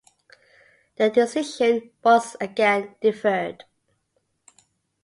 The decision was again deferred.